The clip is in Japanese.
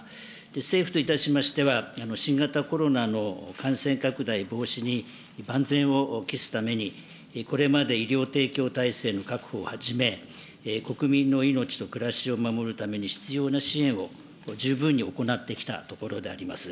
政府といたしましては、新型コロナの感染拡大防止に万全を期すために、これまで医療提供体制の確保をはじめ、国民の命と暮らしを守るために必要な支援を十分に行ってきたところであります。